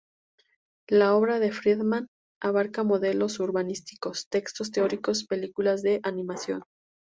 La obra de Friedman abarca modelos urbanísticos, textos teóricos, películas de animación.